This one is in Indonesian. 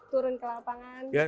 turun ke lapangan